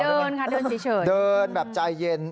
เดินค่ะเดินเฉยเดินแบบใจเย็น